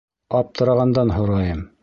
Аптырағандан һорайым.